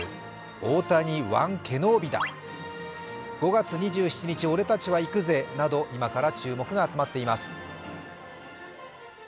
オータニ・ワン・ケノービだ、５月２７日、俺たちは行くぜなどと今から注目が集まっています。